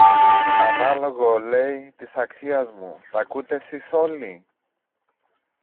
Ανάλογο, λέει, της αξίας μου, τ' ακούτε σεις όλοι;